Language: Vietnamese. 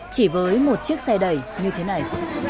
chỉ với một chiếc xe đẩy như thế này